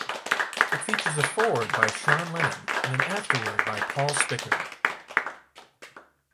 It features a foreword by Sean Lennon and an afterword by Paul Spickard.